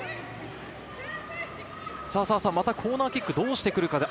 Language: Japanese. またコーナーキックどうしてくるか？